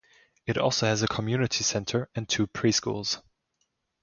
It also has a community centre and two pre-schools.